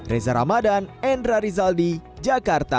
reza ramadan endra rizaldi jakarta